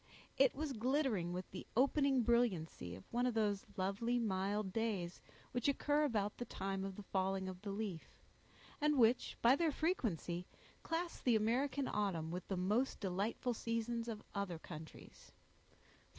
It was glittering with the opening brilliancy of one of those lovely, mild days, which occur about the time of the falling of the leaf; and which, by their frequency, class the American autumn with the most delightful seasons of other countries.